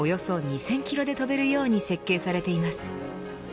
およそ２０００キロで飛べるように設計されています。